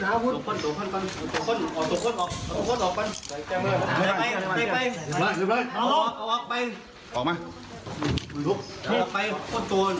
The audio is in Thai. สวัสดีครับทุกคนสวัสดีครับสวัสดีครับ